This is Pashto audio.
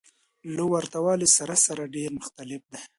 له ورته والي سره سره ډېر مختلف دى.